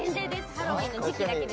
ハロウィーンの時期だけです